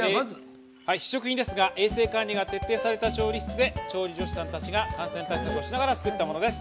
試食品ですが衛生管理が徹底された調理室で調理助手さんたちが感染対策をしながら作ったものです。